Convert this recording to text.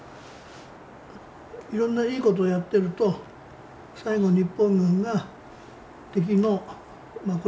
いろんないいことやってると最後日本軍が敵のまあ